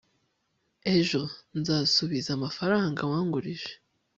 ejo, nzasubiza amafaranga wangurije